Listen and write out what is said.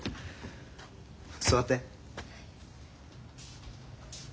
座って。